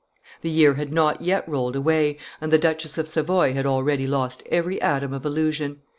The year had not yet rolled away, and the Duchess of Savoy had already lost every atom of illusion.